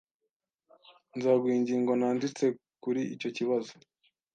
Nzaguha ingingo nanditse kuri icyo kibazo.